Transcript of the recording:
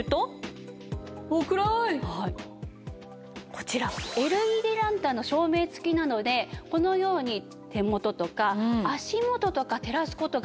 こちらＬＥＤランタンの照明付きなのでこのように手元とか足元とか照らす事ができるんですね。